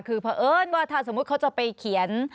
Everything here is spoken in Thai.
คือเพราะเอิญว่าถ้าสมมุติเขาจะไปเขียน